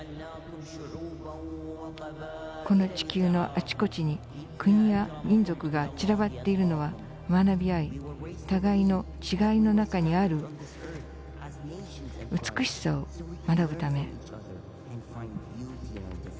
この地球のあちこちに国や民族が散らばっているのは学び合い互いの違いの中にある美しさを学ぶため。